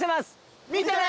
見てね！